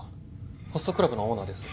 ホストクラブのオーナーです。